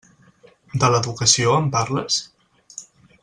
De l'educació em parles?